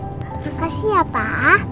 makasih ya pak